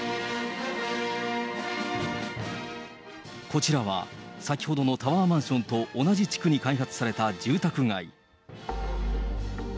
こちらは、先ほどのタワーマンションと同じ地区に開発された住宅街。